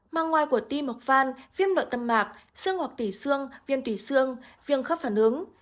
mang ngoài của tim hoặc van viêm nội tâm mạc xương hoặc tủy xương viêm tủy xương viêm khớp phản ứng